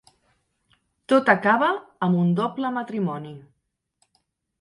Tot acaba amb un doble matrimoni.